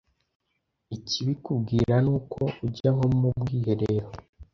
Ikibikubwira, ni uko ujya nko mu bwiherero,